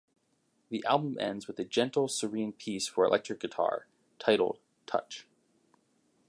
The album ends with a gentle, serene piece for electric guitar titled "Touch".